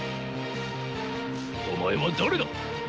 お前は誰だ？